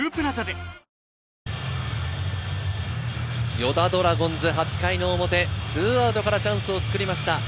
与田ドラゴンズ、８回の表、２アウトからチャンスを作りました。